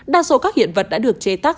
đa số các hiện vật đã được chế tác